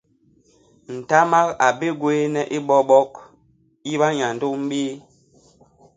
Ntamak a bigwééne i Bobok, i banyandôm béé.